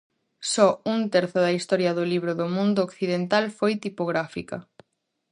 Só un terzo da historia do libro no mundo occidental foi tipográfica.